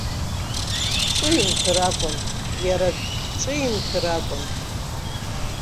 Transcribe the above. Ҿимҭыр акәын, иара ҿимҭыр акәын!